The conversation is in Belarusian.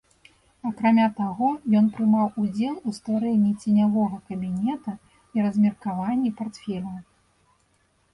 Акрамя таго, ён прымаў удзел у стварэнні ценявога кабінета і размеркаванні партфеляў.